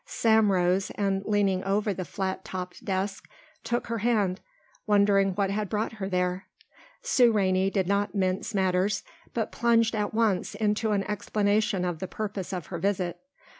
Sam rose, and leaning over the flat topped desk, took her hand, wondering what had brought her there. Sue Rainey did not mince matters, but plunged at once into an explanation of the purpose of her visit.